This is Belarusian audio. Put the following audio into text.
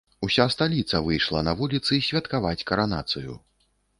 Уся сталіца выйшла на вуліцы святкаваць каранацыю.